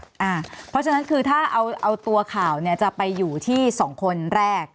เพราะฉะนั้นคือถ้าเอาตัวข่าวเนี่ยจะไปอยู่ที่๒คนแรก